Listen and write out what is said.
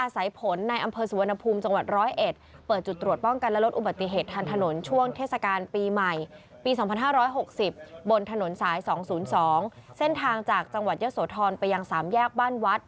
สายสองศูนย์สองเส้นทางจากจังหวัดเยอะสวทรไปยังสามแยกบ้านวัด